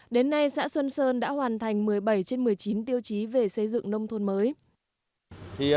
đến nay xã xuân sơn đã hoàn thành một mươi bảy trên một mươi chín tiêu chí về xây dựng nông thôn mới